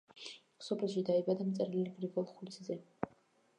სოფელში დაიბადა მწერალი გრიგოლ ხურციძე.